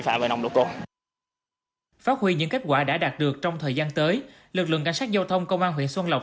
phát huy những kết quả đã đạt được trong thời gian tới lực lượng cảnh sát giao thông công an huyện xuân lộc